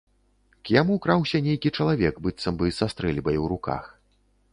К яму краўся нейкі чалавек быццам бы са стрэльбай у руках.